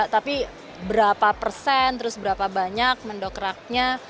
tapi berapa persen terus berapa banyak mendokraknya